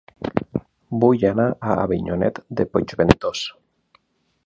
Vull anar a Avinyonet de Puigventós